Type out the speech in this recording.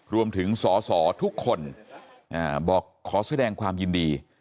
รวมถึงสอสอทุกคนบอกขอแสดงความยินดี